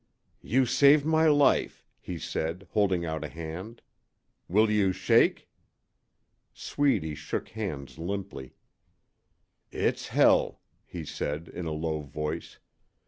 "You saved my life," he said, holding out a hand. "Will you shake?" Sweedy shook hands limply. "It's hell," he said, in a low voice.